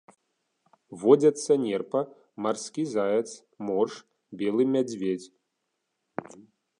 Водзяцца нерпа, марскі заяц, морж, белы мядзведзь.